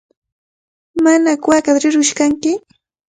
¿Manaku waakata rirqush kanki?